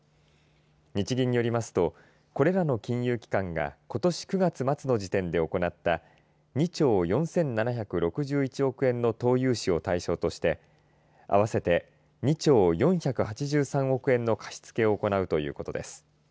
日銀によりますとこれらの金融機関がことし９月末の時点で行った２兆４７６１億円の投融資を対象としてあわせて２兆４８３億円の貸し付けを行うということです。